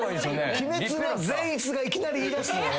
『鬼滅』の善逸がいきなり言いだすんやろ？